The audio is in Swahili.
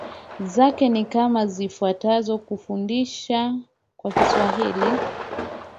zake ni kama zifuatazo Kufundisha kwa kiswahili